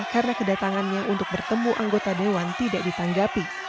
karena kedatangannya untuk bertemu anggota dewan tidak ditanggapi